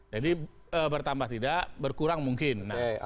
jadi bertambah tidak berkurang mungkin